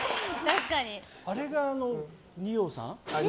あれが二葉さん？